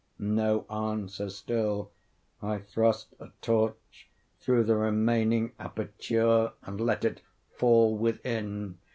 No answer still. I thrust a torch through the remaining aperture and let it fall within.